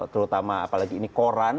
terutama apalagi ini koran